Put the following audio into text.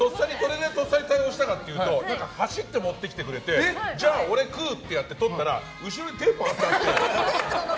とっさに対応したかっていうと走って持ってきてくれてじゃあ、俺食う！ってやってとったら後ろにテープが。